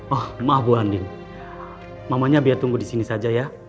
oh maaf bu andin mamanya biar tunggu di sini saja ya